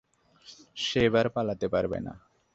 সে এবার পালাতে পারবে না।